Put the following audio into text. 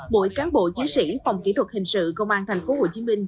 bộ cáng bộ chính sĩ phòng kỹ thuật hình sự công an tp hcm